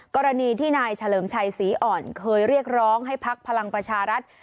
กรณีที่นายเฉลิมชัยศรีอ่อนเคยเรียกร้องให้พักพลังประชารัฐ